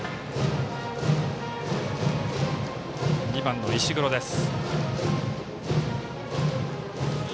２番の石黒です。